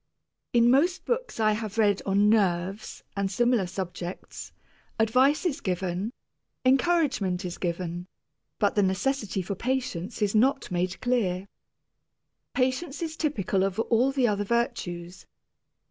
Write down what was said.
In most books I have read on "nerves" and similar subjects, advice is given, encouragement is given, but the necessity for patience is not made clear. Patience is typical of all the other virtues.